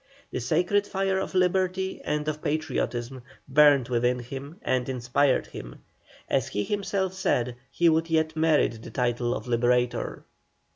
The sacred fire of liberty and of patriotism burned within him and inspired him. As he himself said, he would yet merit the title of Liberator.